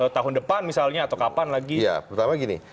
tahun depan misalnya atau kapan lagi